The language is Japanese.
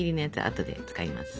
あとで使います。